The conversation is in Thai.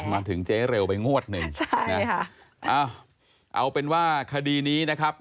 มาถึงเจ๊เร็วไปงวดหนึ่งใช่นะคะเอาเอาเป็นว่าคดีนี้นะครับ